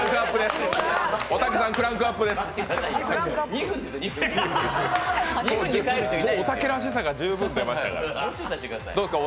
もうおたけさんらしさが十分出ましたから。